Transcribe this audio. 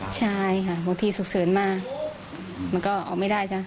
ใช่ค่ะบางทีฉุกเฉินมามันก็ออกไม่ได้จ้ะ